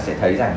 sẽ thấy rằng